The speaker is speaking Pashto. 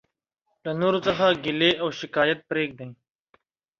له نورو څخه ګيلي او او شکايت پريږدٸ.